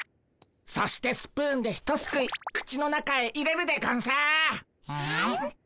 そしてスプーンでひとすくい口の中へ入れるでゴンス。